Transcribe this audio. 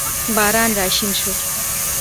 باران راشین شو